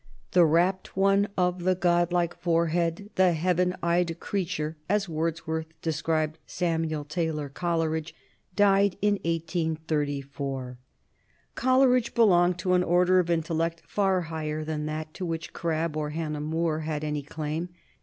"The rapt One of the godlike forehead, the heaven eyed creature," as Wordsworth described Samuel Taylor Coleridge, died in 1834. Coleridge belonged to an order of intellect far higher than that to which Crabbe or Hannah More had any claim.